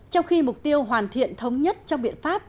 trong khi mục tiêu hoàn thiện thống nhất trong biện pháp